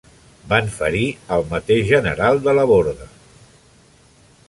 Van ferir al mateix General Delaborde.